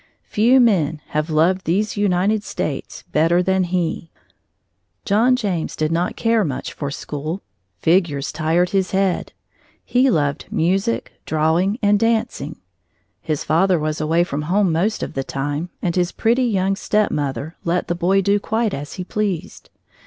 Few men have loved these United States better than he. John James did not care much for school. Figures tired his head. He loved music, drawing, and dancing. His father was away from home most of the time, and his pretty, young stepmother let the boy do quite as he pleased.